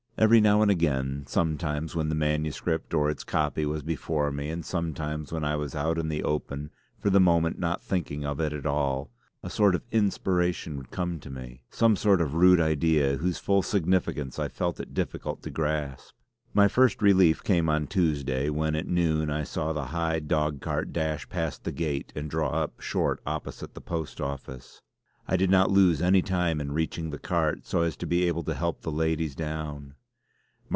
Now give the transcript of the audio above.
Every now and again, sometimes when the MS. or its copy was before me and sometimes when I was out in the open, for the moment not thinking of it at all, a sort of inspiration would come to me; some sort of root idea whose full significance I felt it difficult to grasp. My first relief came on Tuesday when at noon I saw the high dog cart dash past the gate and draw up short opposite the post office. I did not lose any time in reaching the cart so as to be able to help the ladies down.